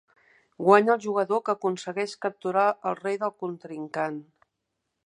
Guanya el jugador que aconsegueix capturar el rei del contrincant.